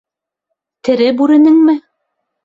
— Тере бүренеңме?!